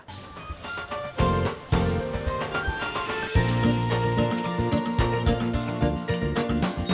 yang bergerak dengan fleksibel dan lincah